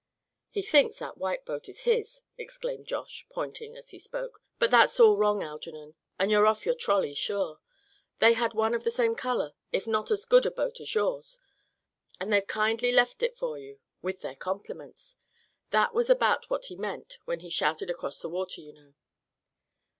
"He thinks that white boat is his," exclaimed Josh, pointing as he spoke, "but that's all wrong, Algernon, and you're off your trolley, sure. They had one of the same color, if not as good a boat as yours; and they've kindly left it for you, with their compliments. That was about what he meant when he shouted across the water, you know."